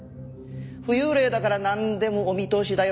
浮遊霊だからなんでもお見通しだよ！